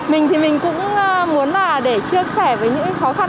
mình thì mình cũng muốn là để chia sẻ với những khó khăn